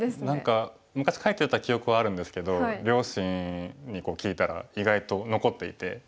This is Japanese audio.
何か昔描いてた記憶はあるんですけど両親に聞いたら意外と残っていて。